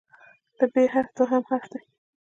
د "ب" حرف دوهم حرف دی.